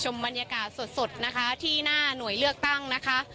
บรรยากาศสดนะคะที่หน้าหน่วยเลือกตั้งนะคะ